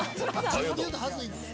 自分で言うと恥ずいです。